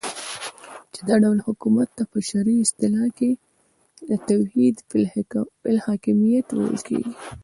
چی دا ډول حکومت ته په شرعی اصطلاح کی توحید فی الحاکمیت ویل کیږی